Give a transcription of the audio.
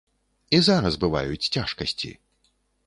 І зараз бываюць цяжкасці.